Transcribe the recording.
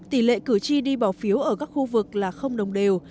tỷ lệ cử tri đi bỏ phiếu ở các khu vực là không đồng đều